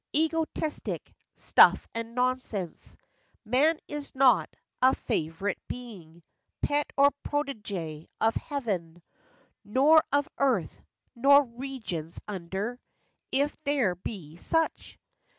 Egotistic " stuff and nonsense !" Man is not a fav'rite being, Pet, or protege of heaven, Nor of earth,—nor regions under If there be such